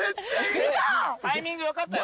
タイミング良かったよ。